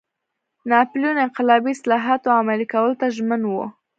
ناپلیون انقلابي اصلاحاتو عملي کولو ته ژمن و.